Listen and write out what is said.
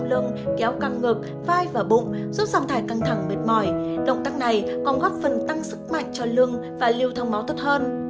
giúp giảm thải căng thẳng mệt mỏi động tác này còn góp phần tăng sức mạnh cho lưng và lưu thông máu tốt hơn